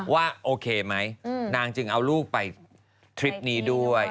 ว่าโอเคไหมนางจึงเอาลูกไปทริปนี้ด้วย